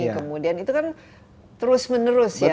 kemudian itu kan terus menerus ya